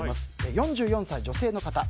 ４４歳女性の方。